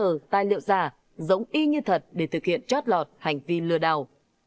để tìm hiểu ra giống y như thật để thực hiện chót lọt hành vi lừa đảo